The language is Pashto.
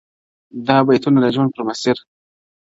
دا بیتونه د ژوند پر مسیر